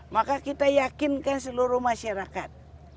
maka kita yakinkan seluruh masyarakat